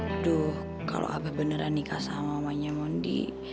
aduh kalau abah beneran nikah sama mamanya mondi